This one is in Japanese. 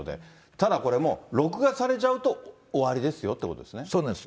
ただこれも録画されちゃうと終わりですよということですね。